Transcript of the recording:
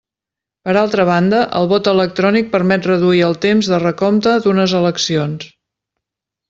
Per altra banda, el vot electrònic permet reduir el temps de recompte d'unes eleccions.